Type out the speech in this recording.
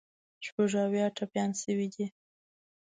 شپږ اویا ټپیان شوي دي.